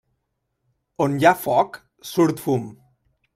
On hi ha foc, surt fum.